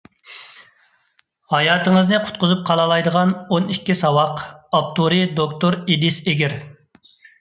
«ھاياتىڭىزنى قۇتقۇزۇپ قالالايدىغان ئون ئىككى ساۋاق»، ئاپتورى: دوكتور ئېدىس ئېگىر.